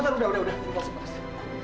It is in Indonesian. udah udah udah